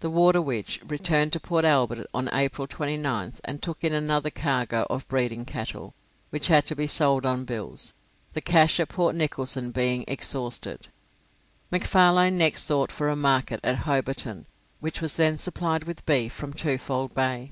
The 'Waterwitch' returned to Port Albert on April 29th, and took in another cargo of breeding cattle, which had to be sold on bills, the cash at Port Nicholson being exhausted. McFarlane next sought for a market at Hobarton, which was then supplied with beef from Twofold Bay.